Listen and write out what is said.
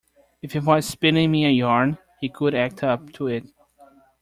If he was spinning me a yarn he could act up to it.